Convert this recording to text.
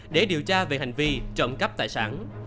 để điều tra về hành vi trộm cắp tài sản